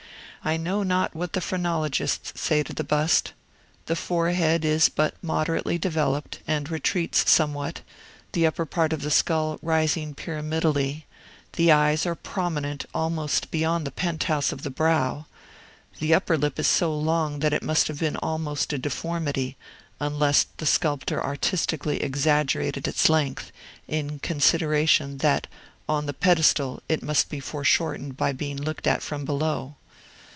I know not what the phrenologists say to the bust. The forehead is but moderately developed, and retreats somewhat, the upper part of the skull rising pyramidally; the eyes are prominent almost beyond the penthouse of the brow; the upper lip is so long that it must have been almost a deformity, unless the sculptor artistically exaggerated its length, in consideration, that, on the pedestal, it must be foreshortened by being looked at from below.